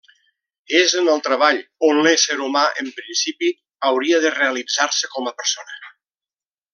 És en el treball on l'ésser humà, en principi, hauria de realitzar-se com a persona.